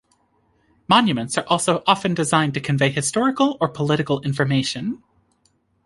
Monuments are also often designed to convey historical or political information.